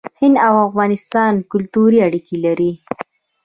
هند او افغانستان کلتوري اړیکې لري.